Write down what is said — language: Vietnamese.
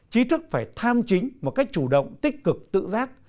chí thức phải tham chính một cách chủ động tích cực tự giác